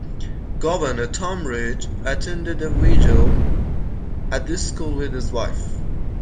Governor Tom Ridge attended a vigil at the school with his wife.